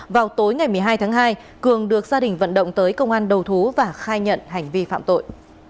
vào tối ngày một mươi hai tháng hai cường được gia đình vận động tới công an đầu thú và khai nhận hành vi phạm tội